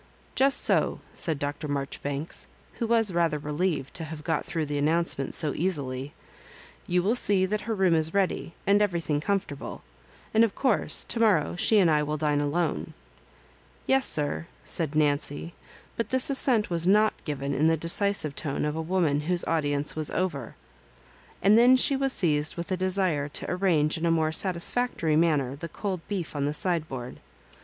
"Just so," said Dr. Marjoribanks, who was rather relieved to have got through the an nouncement so easily. " You will see that her room is ready, and every thmg comfortable; and, of course, to morrow she and I will dine alone. " Yes, sir," said Nancy; but this assent was not given in the decisive tone of a woman whose audience was over; and then she was seized with a desire to arrange in a more satisfactory manner the cold beef on the side board.